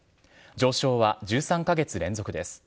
上昇は１３か月連続です。